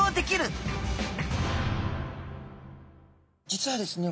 実はですね